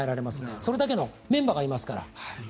それだけのメンバーがいますから。